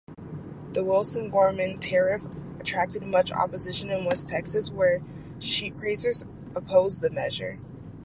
The Wilson-Gorman Tariff attracted much opposition in West Texas, where sheepraisers opposed the measure.